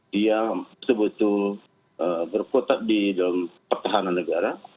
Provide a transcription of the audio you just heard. dia sebetul betul berkuatat di dalam pertahanan negara